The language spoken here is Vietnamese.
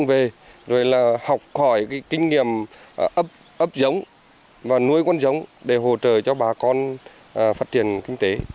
anh em là hỗ trợ về rồi là học khỏi cái kinh nghiệm ấp giống và nuôi con giống để hỗ trợ cho bà con phát triển kinh tế